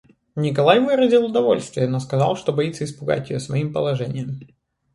Николай выразил удовольствие, но сказал, что боится испугать ее своим положением.